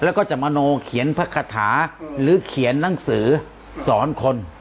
แล้วก็จะมโนเขียนพระคาถาหรือเขียนหนังสือสอนคน